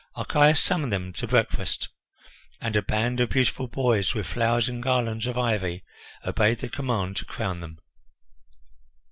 Archias summoned them to breakfast, and a band of beautiful boys, with flowers and garlands of ivy, obeyed the command to crown them.